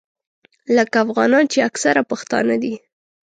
لکه افغانان چې اکثره پښتانه دي.